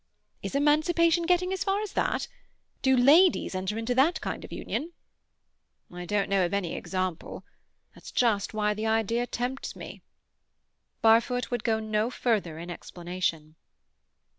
"Is emancipation getting as far as that? Do ladies enter into that kind of union?" "I don't know of any example. That's just why the idea tempts me." Barfoot would go no further in explanation.